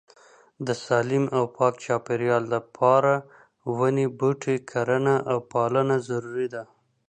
د سالیم او پاک چاپيريال د پاره وني بوټي کرنه او پالنه ضروري ده